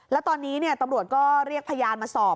แล้วตอนนี้ตำรวจก็เรียกพยานมาสอบ